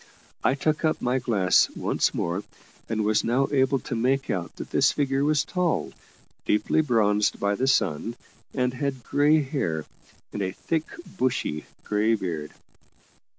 I took up my glass once more, and was now able to make out that this figure was tall, deeply bronzed by the sun, and had grey hair and a thick bushy grey beard.